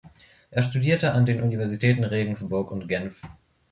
Er studierte an den Universitäten Regensburg und Genf.